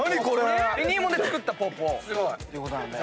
紅いもで作ったぽーぽーということなんで。